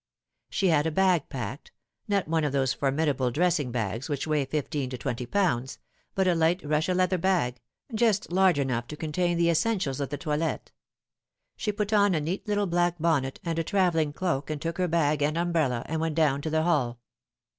She had a bag packed not one of those formidable dressing bags which weigh fifteen to twenty pounds but a light Russia leather bag, just large enough to contain the essentials of the toilet. She put on a neat little black bonnet and a travelling cloak, and took her bag and umbrella, and went down to the hall.